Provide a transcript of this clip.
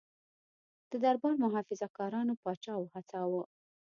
د دربار محافظه کارانو پاچا وهڅاوه.